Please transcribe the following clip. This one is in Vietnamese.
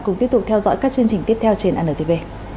cùng tiếp tục theo dõi các chương trình tiếp theo trên antv